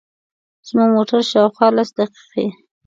زموږ موټر شاوخوا لس دقیقې.